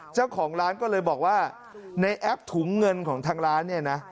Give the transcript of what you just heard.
เจ้าของร้านก็เลยบอกว่าในแอปถุงเงินของทางร้านเนี่ยนะ